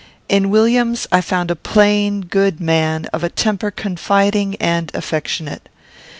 In Williams I found a plain, good man, of a temper confiding and affectionate.